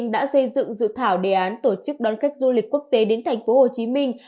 đã xây dựng dự thảo đề án tổ chức đón khách du lịch quốc tế đến thành phố hồ chí minh